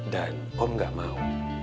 dan om gak mau